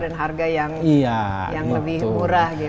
dan harga yang lebih murah